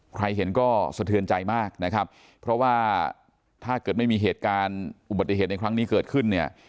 ใครเห็นก็สะเทือนใจมากนะครับเพราะว่าถ้าเกิดไม่มีเหตุการณ์อุบัติเหตุในครั้งนี้เกิดขึ้นเนี่ย